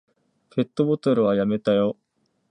ペットボトルはやめたよ。